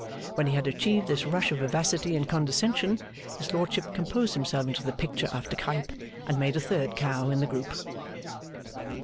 When he had achieved this rush of vivacity and condescension, his Lordship composed himself into the picture after Cuyp, and made a third cow in the group.